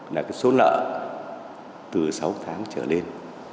là cái số nợ từ sáu tháng trở lên